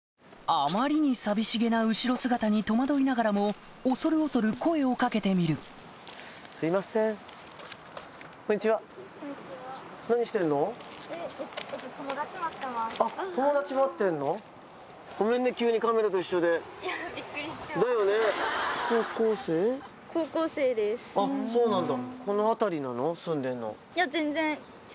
あまりに寂しげな後ろ姿に戸惑いながらも恐る恐る声を掛けてみるあっそうなんだ。